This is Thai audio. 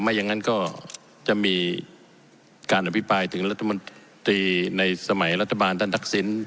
อย่างนั้นก็จะมีการอภิปรายถึงรัฐมนตรีในสมัยรัฐบาลท่านทักษิณ